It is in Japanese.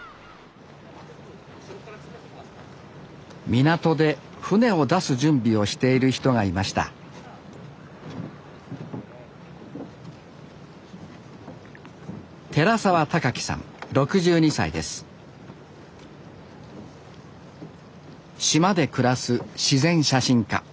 港で船を出す準備をしている人がいました島で暮らす自然写真家。